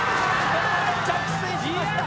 ここで着水しました。